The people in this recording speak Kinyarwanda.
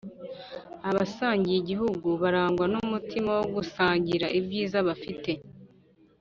Abasangiye igihugu barangwa n'umutima wo gusangira ibyiza bafite